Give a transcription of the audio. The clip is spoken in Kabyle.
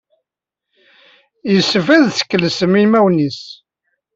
Yessefk ad tkelsem inaw-nnes.